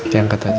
kita angkat aja